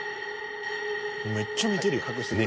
めっちゃ見てるやん。